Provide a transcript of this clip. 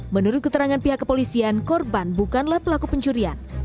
menurut keterangan pihak kepolisian korban bukanlah pelaku pencurian